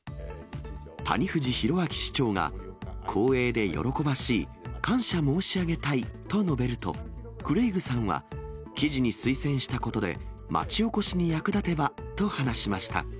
谷藤裕明市長が、光栄で喜ばしい、感謝申し上げたいと述べると、クレイグさんは、記事に推薦したことで、町おこしに役立てばと話しました。